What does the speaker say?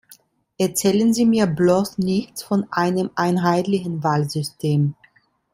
Erzählen Sie mir bloß nichts von einem einheitlichen Wahlsystem!